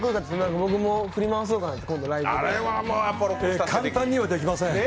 僕も振り回そうかな、今度ライブで簡単にはできません。